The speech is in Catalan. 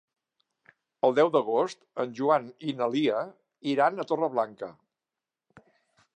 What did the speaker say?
El deu d'agost en Joan i na Lia iran a Torreblanca.